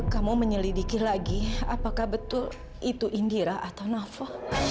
kamu menyelidiki lagi apakah betul itu indira atau nafa